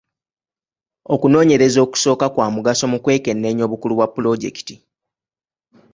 Okunoonyereza okusooka kwa mugaso mu kwekenneenya obukulu bwa pulojekiti.